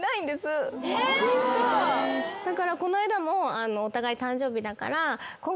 だからこの間もお互い誕生日だから。